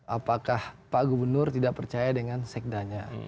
apakah pak gubernur tidak percaya dengan sekdanya